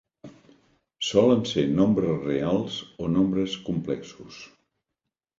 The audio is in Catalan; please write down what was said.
Solen ser nombres reals o nombres complexos.